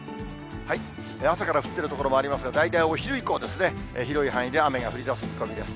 朝から降っている所もありますが、大体お昼以降ですね、広い範囲で雨が降りだす見込みです。